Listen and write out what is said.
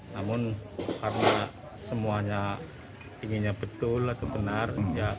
namun karena semuanya inginnya betul atau benar